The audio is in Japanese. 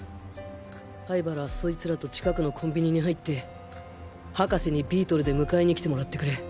灰原はそいつらと近くのコンビニに入って博士にビートルで迎えに来てもらってくれ。